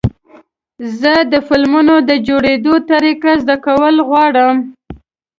زه د فلمونو د جوړېدو طریقه زده کول غواړم.